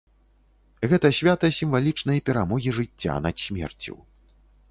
Гэта свята сімвалічнай перамогі жыцця над смерцю.